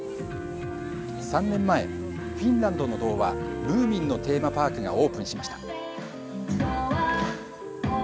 ３年前、フィンランドの童話「ムーミン」のテーマパークがオープンしました。